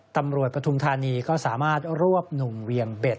ปฐุมธานีก็สามารถรวบหนุ่มเวียงเบ็ด